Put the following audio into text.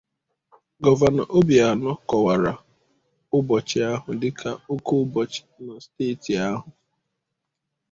Gọvanọ Obianọ kọwàrà ụbọchị ahụ dịka oke ụbọchị na steeti ahụ